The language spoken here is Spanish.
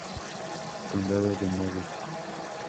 Condado de Morris